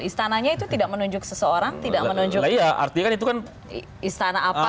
istananya itu tidak menunjuk seseorang tidak menunjuk istana apa gitu